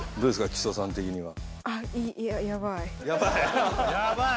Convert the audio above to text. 木曽さん的にはやばい？